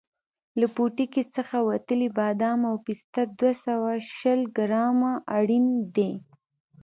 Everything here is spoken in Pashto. له پوټکي څخه وتلي بادام او پسته دوه سوه شل ګرامه اړین دي.